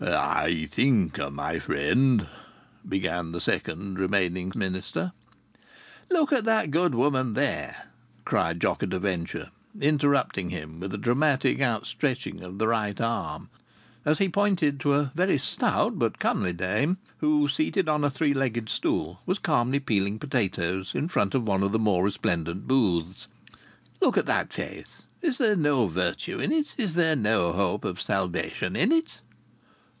"I think, my friend " began the second remaining minister. "Look at that good woman there!" cried Jock at a Venture, interrupting him with a dramatic out stretching of the right arm, as he pointed to a very stout but comely dame, who, seated on a three legged stool, was calmly peeling potatoes in front of one of the more resplendent booths. "Look at that face! Is there no virtue in it? Is there no hope for salvation in it?"